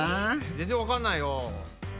全然わかんないよ。